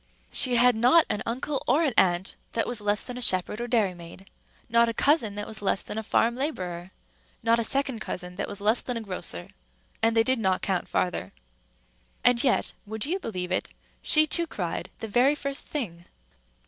She had not an uncle or an aunt that was less than a shepherd or dairymaid, not a cousin, that was less than a farm laborer, not a second cousin that was less than a grocer, and they did not count farther. And yet (would you believe it?) she too cried the very first thing.